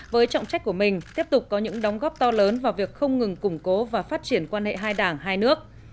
với trọng trách của mình tiếp tục có những đóng góp to lớn vào việc không ngừng củng cố và phát triển quan hệ hai đảng hai nước